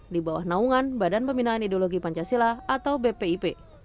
di bawah naungan badan pembinaan ideologi pancasila atau bpip